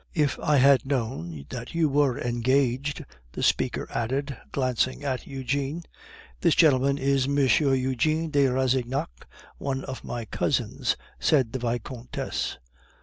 "If I had known that you were engaged " the speaker added, glancing at Eugene. "This gentleman is M. Eugene de Rastignac, one of my cousins," said the Vicomtesse.